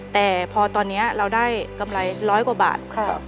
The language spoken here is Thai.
แต่พอตอนนี้เราได้กำไร๑๐๐กว่าบาท